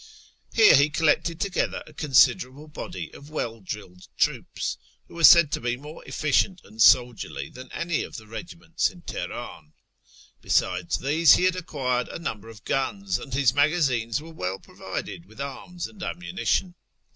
Here he collected together a considerable body of well drilled troops, who were said to be more efficient and soldierly than any of the regiments in Teheran. Besides these he had acquired a number of guns, and his magazines were well provided with arms and ammunition.